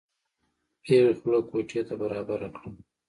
پېغلې خوله کوټې ته برابره کړه.